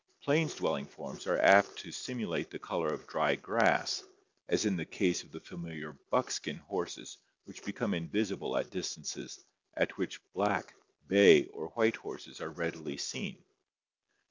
Plains dwelling forms are apt to simulate the color of dry grass, as in the case of the familiar " buckskin " horses which become invisible at distances at which black, bay, or white horses are readily seen.